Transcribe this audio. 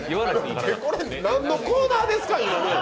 何のコーナーですか、今？